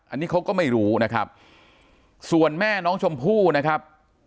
อันนี้เขาก็ไม่รู้นะครับส่วนแม่น้องชมพู่นะครับ